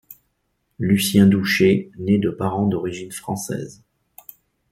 Lucien Douchet nait de parents d'origines française.